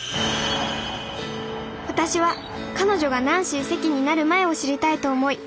私は彼女がナンシー関になる前を知りたいと思い